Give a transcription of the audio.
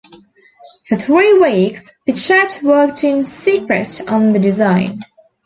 For three weeks, Pichette worked in secret on the design.